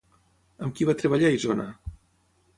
Amb qui va treballar Isona?